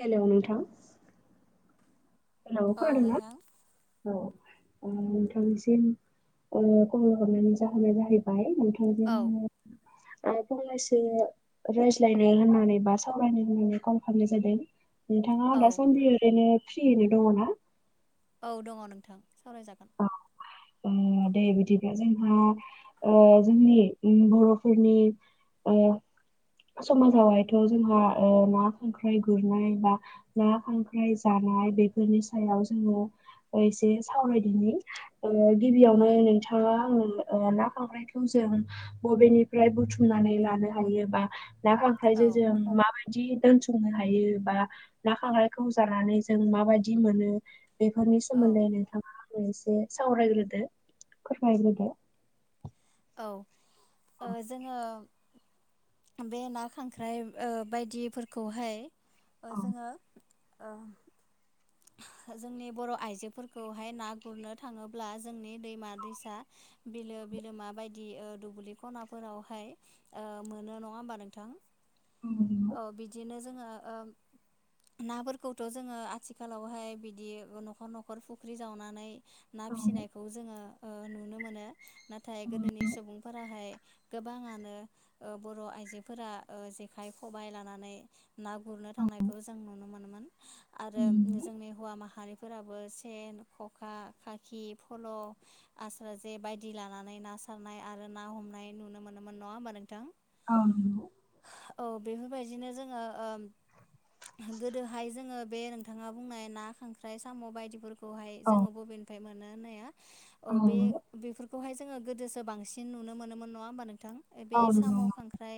Hello नोंथां hello औ खोनादोंना नोंथां औ? उम नोंथांनिसिम खल हरनायनि जाहोना जाहैबाय औ नो [inaudible] फंनैसो रायज्लायनाय होननानै बा सावरायनाय होननानै कल खालामनाय जादों। नोंथाङा औ दासान्दि ओरैनो फ्रियैनो दङ ना? औ दङ नोंथां सावरायजागोन। दे बिदिनो जोंहा जोंनि बर'फोरनि ओ समाजावहायथ' जोंहा ओ ना खांख्राइ गुरनाय बा ना खांख्राइ जा नाय बेफोरनि सायाव जोङो एसे सावरायदिनि ओ गिबियावनो नोंथाङा आङो ना खांख्रायखौ जों बबेनिफ्राय बुथुम नानै लानो हायो बा ना‌ औ खांख्रायजों जों मा बायदि दोनथुमनो हायो बा ना खांख्राइखौ जानानै जों माबायदि मोनो। बेफोरनि औ सोमोन्दै नोंथाङा आंनो एसे सावरायग्रोदो फोरमाग्रोदो औ ओ जोङो बे ना खांख्राइ ओ बायदिफोरखौहाय ओ औ जोङो ओ [inaudible] जोंनि बर' आइजोफोरखौहाय ना गुरनो थाङोब्ला जोंनि दैमा दैसा बिलो बिलोमा बायदि ओ दुब्लि खनाफोरावहाय मोनो नङा ओमबा नोंथां? औ नंगौ औ बिदिनो जोङो ओ नाफोरखौथ' जोङो आथि खालावहाय बिदि न'खर न'खर फुख्रि जावनानै ना औ फिसिनायखौ जोङो ओ नुनो मोनो। नाथाय नंगौ। गोदोनि सुबुंफोराहाय गोबाङानो बर' आइजोफोरा जेखाइ खबबाय लानानै ना गुरनो थांनायखौ जों नुनो मोनोमोन आरो। जोंनि हौवा माहारिफोराबो सेन खखा खाखि फल' आस्रा जे बायदि लानानै ना सारनाय आरो ना हमनाय नुनो मोनोमोन नङा होमबा नोंथां? औनो औ बेफोरबायदिनो जोङो गोदोहाय जोङो बे नोंथाङा बुंनाय ना खांख्राइ साम' बायदिफोरखौहाय औ जोङो बबेनिफ्राय मोनो होननाया अ औ बे नंगौ बेफोरखौहाय जोङो गोदोसो बांसिन नुनो मोनोमोन नङा होमबा नोंथां? बे औ नंगौ साम' खांख्राइ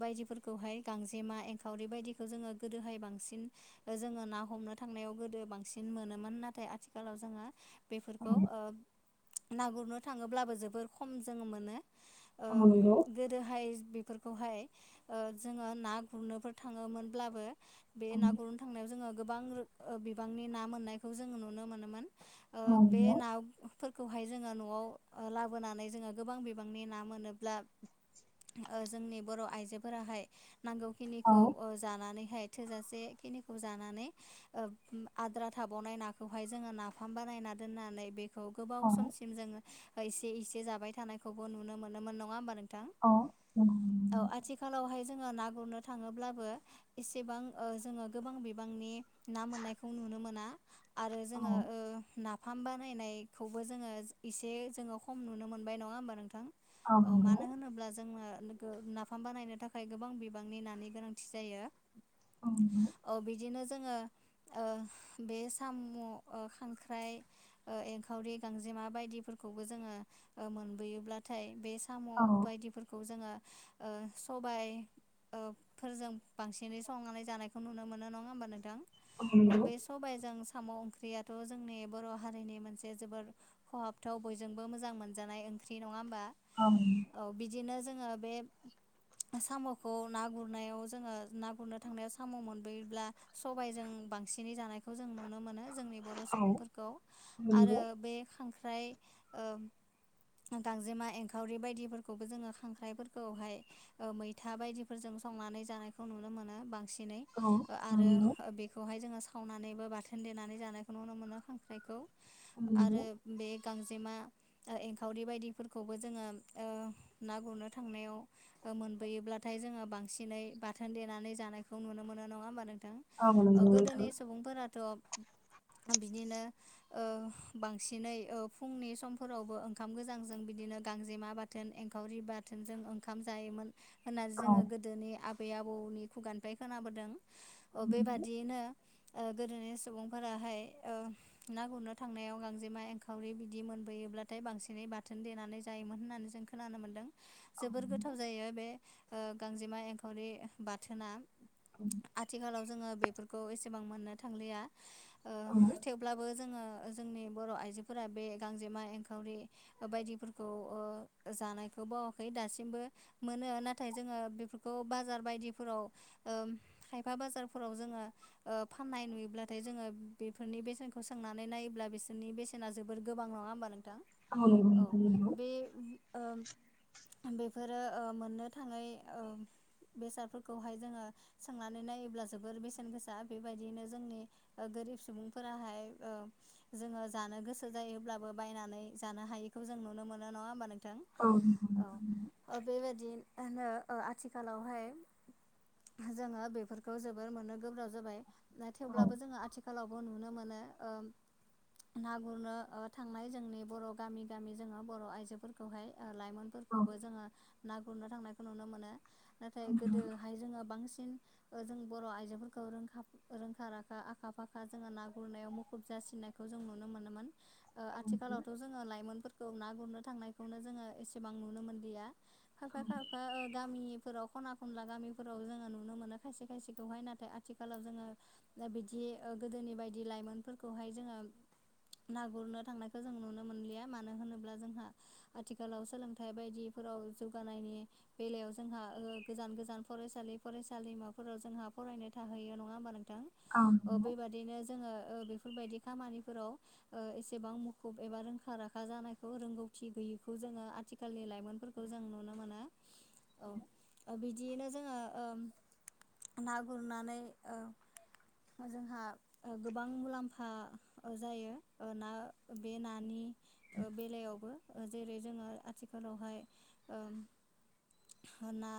बायदिफोरखौहाय गांजेमा एंखावरि बायदिखौ जोङो गोदोहाय बांसिन जोङो ना हमनो थांनायाव गोदो बांसिन मोनोमोन नाथाय आथिखालाव जोङो औ बेफोरखौ ना गुरनो थाङोब्लाबो जोबोर खम जों मोनो औ नंगौ गोदोहाय बेफोरखौहाय जोङो ना गुरनोफोर थाङोमोनब्लाबो बे औ ना गुरनो थांनायाव जोङो गोबां बिबांनि ना मोननायखौ जोङो नुनो मोनोमोन। आ बे नंगौ नाव फोरखौहाय जोङो न'आव लाबोनानै जोङो गोबां बिबांनि ना मोनोब्ला जोंनि बर' आइजोफोराहाय औ नांगौखिनिखौ जानानैहाय थोजासेखिनिखौ जानानै आद्रा थाबावनाय नाखौहाय जोङो नाफाम बानायना दोननानै बे खौ गोबाव औ समसिम जोङो एसे इसे जाबाय थानायखौबो नुनो मोनोमोन नङा होमबानो। औ आथिखालावहाय जोङो ना गुरनो। थाङोब्लाबो एसेबां जोङो गोबां बिबांनि ना मोननायखौ नुनो मोना। आरो जोङो औ ना फार्म बानायनायखौबो जोङो एसे जोङो खम ननो मोनबाय नङा होमबा नोंथां? औ मानो होनोब्ला जोंनो नाफाम बानायनो थाखाय गोबां बिबांनि नानि गोनांथि जायो नंगौ औ बिदिनो जोङो बे साम' खांख्राइ एंखावरि गांजेमा बायदि ज ज स ब औ खौ जोङो सबाय फोरजों बांसिनै संनानै जानायखौ नुनो मोनो नङा होमबा नोंथां अ नंगौ औ बे सबबायजोंों साम' ओंख्रियाथ' जोंनि बर' हारिनि मोनसे जोबोर खहाबथाव बयजोंबो मोजां मोनजानाय ओंख्रि नङा होमबा औ बिदिनो जोङो बे साम'खौ ना गुरनायाव जोङो ना गुरनो थांनायाव साम' मोनबोयोब्ला सब ाय जों बांसिन जानाय जों नुनो मोन जोंनि बर' नंगौ औ नंगौ सुबुंफोरखौ आरो बे ख [inaudible] गांजेमा एंखावरि बायदिफोरखौबो जोङो खांख्राइफोरखौहाय मैथा बायदिफोर ज ं संनानै जानायखौ नुनो मोनो बांसिनै आरो बेखौहाय जोङो सावनानैबो बाथोन देनानै जानायखौ नुनो मोनो खांख्राइखौ नंगौ आरो बेग गांजेमा एंखावरि बायदिफोरखौबो जोङो ना गुरनो थांनायाव मोनबोयोब्लाथाय जोङो बांसिनै बाथोन देनानै जानायखौ नुनो मोनो नङा होमबा नोंथां आ नांगथ द' बिदिनो बांसिनै फुंनि समफोरावबो ओंखाम गोजांजों बिदि बिदिनो गांजेमा बाथोन एंखावरि बाथोनजों ओंखाम जायोमोन होननानै औ जोङो गोदोनि आबै आबौनि खुगानिफ्राय खोनाबोदों औ अ नंगौ बेबादियैनो गोदोनि सुबुंफोराहाय ना गुरनो थांनायाव गांजेमा एंखावरि बिदि मोनबोयो जेब्लाथाय बांसिनै बाथोन देनानै जायोमोन होननानै जों खोनानो मोन्दों औ जोबोर गोथाव जायो बे गांजेमा एंखावरि बाथोना औ आथिखालाव जोङो बेफोरखौ एसेबां मोननो थांलिया औ थेवब्लाबो जोङो जोंनि बर' आइजोफोरा बे गांजेमा एंखावरि बायदिफोरखौ जानायखौ बावाखै दासिमबो मोनो नाथाय जोङो बेफोरखौ बाजार बायदिफोराव ओम बिफा बाजारफोराव जोङो फाननाय नुयोब्लाथाय जोङो बेफोरनि बेसेनखौ सोंनानै नायोब्ला बे सोरनि बेसेना जोबोर गोबां नङा होमबा नोंथां नंगौ नोंथां नंगौ औ नोंथां नंगौ बे बेफोरो मोननो थाङै बेसादफोरखौहाय जोङो सोंनानै नानै नायोब्ला जोबोर बेसेन गोसा बेबायदिनो जोंनि गोरिब सुबुंफोराहाय जोङो जानो गोसो जायोब्लाबो बायनानै जानो हायिखौ जों नुनो मोनो नङा होमब न औ नंगौ औ नंगौ [inaudible] आथिखालावहाय जोङो बे फोरखौ जोबोर मोनो गोब्राब जाबाय ना औ नंगौ थेवब्लाबो औ जोङो आथिखालावबो नुनो मोनो ना गुरनो थांनाय जोंनि बर' गामि गामि जोङो बर' आइजोफोरखौहाय लाइमोनफोरखौबो जोङो ना गुरनो थांनायखौ नुनो मोनो नाथाय गोदोहाय जोङो बांसिन जों बर' आइजोफोरखौखा रोंखा राखा आखा फाखा जोङो ना गुरनायाव मुखुब जासिनायखौ [unintelligible] आथिखालावथ' जोङो लाइमोनफोरखौ ना गुरनो थांनायखौनो जोङो एसेबां नुनो मोनलिया खायफा खायफा गामिफोराव खना खनला गामिफोराव जोङो नुनो मोनो खायसे खायसेखौहाय नाथाय आथिखालाव जोङो बिदि गोदोनि बायदि लाइमोनफोरखौहाय जोङो [inaudible] ना गुरनो थांनायखौ जों नुनो मोनलिया मानो होनोब्ला जोंहा आथिखालाव सोलोंथाइ बायदि फोराव जौगानायनि बेलायाव जोंहा ओ गोजान गोजान फरायसालि फरायसालिमा फोराव जोंहा फरायनो थाहैयो। नङा होमबा नोंथां? अ बेबादिनो जोङो ओ बेफोरबायदि खामानिफोराव एसेबां मुखुब एबा रोंखा राखा जानायखौ रोंगौथि गै बिखौ जोङो आथिखालनि लाइमोनफोरखौ जों नुनो मोनो। औ ओ बिदियैनो जोङो ओम ना गुरनानै ओ जोंहा ओ गोबां मुलाम्फा ओ जायो ओ ना ओ बे नानि ओ बेलायावबो ओ जेरै जोङो आथिखालावहाय ओम ना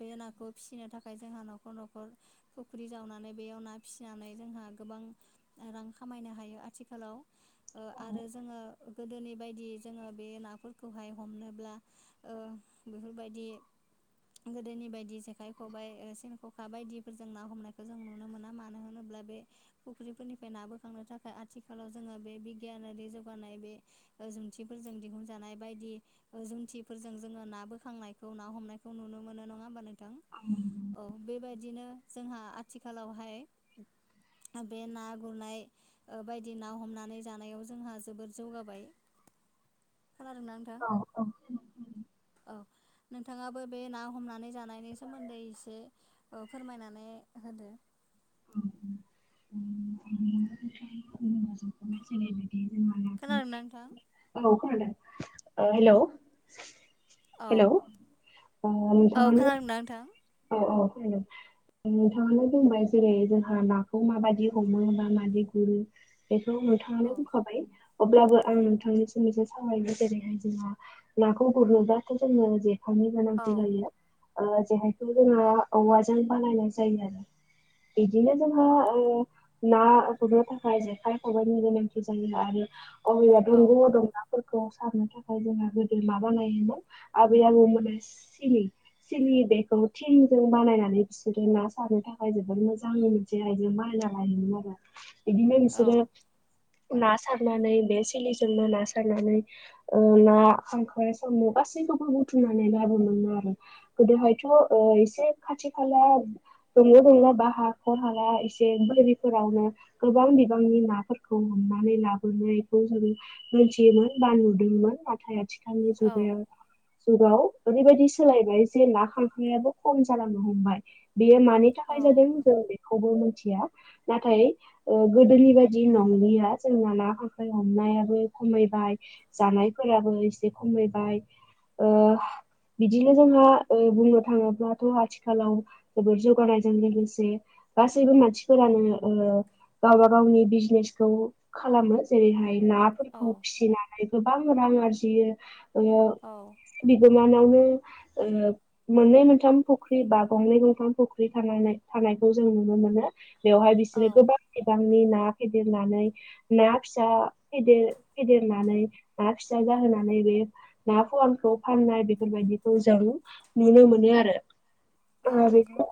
बे नाखौ फिसिनो थाखाय जोंहा नाव न'खर न'खर फुख्रि जावनानै बेयाव ना फिसिनानै जोंहा गोबां रां खामायनो हायो। आथिखालाव ओ आरो जोङो गोदोनि बायदि जोङो बे नाफोरखौहाय हमनोब्ला ओ बेफोरबायदि गोदोनि बायदि जेखाइ खबाइ ओ सेन ख खा बायदिफोरजों ना हमनायखौ जों नुनो मोना मानो होनोब्ला बे फुख्रिफोरनिफ्राय ना बोखांनो थाखाय आथि खालाव जोङो बे बिगियानारि जौगानाय बे ओ जोंथिफोरजों दिहुनजानाय बायदि ओ जों खुन्थिफोरजों जोङो ना बोखांनायखौ ना हमनायखौ नुनो मोनो नङा होमबा नों थां औ बेबायदिनो जोंहा आथिखालावहाय बे ना गुरनाय ओ बायदि ना हमनानै जानायाव जोंहा जोबोर जौगाबाय। [inaudible] खानादों ना नोंथां औ औ। नोंथाङाबो बे ना हमनानै जानायनि सोमोन्दै इसे ओ फोरमायनानै होदो। [inaudible] खोना दोंना नोंथां? ओ हेलौ औ हेलौ औ खोनादोंना नोंथां? अ औ खोनादों। नोंथाङानो बुंबाय जेरै जोंहा नाखौ माबादि हमो बा मादि गुरो बे खौ औ नोंथाङानो बुंखाबाय। अब्लाबो आं नोंथांनिसिम एसे सावरायनो जेरैहाय जोंहा नाखौ गुरनोब्लाथ' जोङो जे खायनि औ गोनांथि जायो। ओ जेहायखौ जोङो औवाजों बानायनाय जायो आरो। बिदिनो जोंहा ओ ना गुरनो थाखाय जेखाइ खबायाइनि गोनांथि जायो औ आरो [unintelligible] फोरखौ सारनो थाखाय जोंहा गोदो माबानायोमाव आबै आबौमोना सिलि सिलियो बेखौ थिंजों बानायनानै बिसोरो ना सारनो थाखाय जोबोद मोजां मोनसे आइजें बानायना लायोमोन आरो। इदिनो औ बिसोरो ना सारनानै बे सिलिजोंनो ना सारनानै ओ ना खांख्राय साम' गास गासैखौबो बुथुमनानै लाबो मोनो आरो गोदोहायथ' ओ एसे खाथि खाला दंल' दंला बा हाखर हाला एसे बोरिफोरावनो गोबां बिबांनि नाफोरखौ हमनानै लाबोनायखौ जोङो मोनथियोमोन बा नुदों बिनो नाथाय आथिखालनि औ जुगाव जुगाव ओरैबायदि सोलायबाय जे ना खां ख्रायाबो खम जालांनो हमबाय बेयो मानि थाखाय जादों जों बे खौबो मोनथिया नाथाय ओ गोदोनि बायदि नंलिया जोंना ना खांख्राय हमना नाबो खमायबाय जानायफोराबो एसे खमायबाय। ओ बिदिनो जोंहा बुंनो थाङोब्लाथ' आथिखालाव जोबोद जौगानायजों लोगोसे गासैबो मानसिफोरानो ओ गावबा गावनि बिजनेसखौ खालामो जेरैहाय नाफोरखौ औ फिसिनानै गोबां रां आरजियो ओ औ बिगोमा मानावनो ओ मोननै मोनथाम फुख्रि बा गंनै गंथाम फुख्रि थ थानायखौ जों नुनो मोनो बेवहाय बिसोरो औ गोबां बिबांनि न ना फेदेरनानै न फिसा फ फेदेरनानै ना फिसा जाहोनानै ना फवानखौ फाननाय बेफोरबायदिखौ जों नुनो मोनो औ आरो नंगौ बेखौ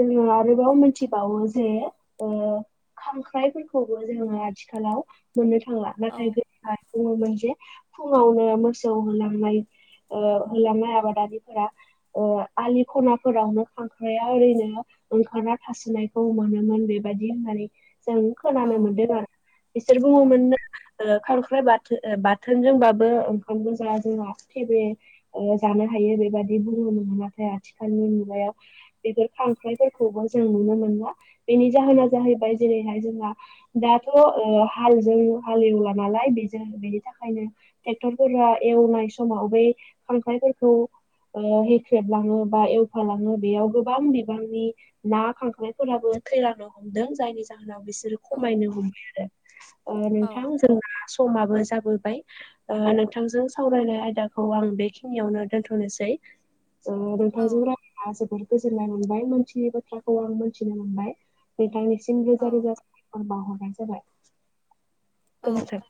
जोङो आरोबाव मिथिबावो जे खांख्राइफोरखौबो जोङो आथिखालाव मोननो थांला औ नाथाय गोह बुङोमोन जे फुङावनो मोसौ होलांनाय हां आब आ खनाावनो खांख्राया ओैनो ंखार थ फुनायखौ मोनोमोन बेबायाददि होननानै जों औ खोनानो मोनदों आरो बिसोर औ बुङोमोन न खारख्राइ बाथोन बाथोनजोंबाबो ओंखाम गो जाया जोंहा थेब जानो हायो बेबायाददि बुनो मोनोन नाथाय आथिखालनि मुगायाव बेफोर खांख्रायफोरखौबो जों मोन बेनि जाहोना जाहैबाय जेरैहाय जोंहा दाथ' हालजों हाल ला नालाय बे बेनि थाखायनो ेक्टरफोरा एवनाय समाव बै खांख्र औ हेख्रेबलाङो बा एवफालाङो बेयाव गोबां बिबांनि ना खांख्राइफोराबो खैलांनो हमदों जायनि जाहोनाव बिसोरो औ खमायनो हमबाय आरो औ नोंथां जों समाबो जाबोबाय नोंथांजों सावरायनाय आयदाखौ आं बेखिनियावनो दथ'नोसै नोंथांजों औ राया जोबोर गोजोननाय मोनबाय मोनसिनि बाथ्राखौ आं मोनथिनो मोनबाय नोंथांनि जग औ जारि ज औ ब